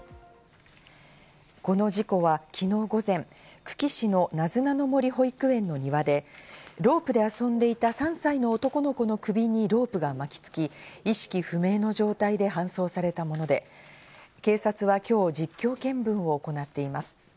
この事故は昨日午前、久喜市の、なずなの森保育園の庭でロープで遊んでいた３歳の男の子の首にロープが巻きつき、意識不明の状態で搬送されたもので、警察は今日、実況見分を行っています。